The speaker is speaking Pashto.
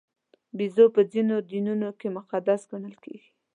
بیزو په ځینو دینونو کې مقدس ګڼل کېږي.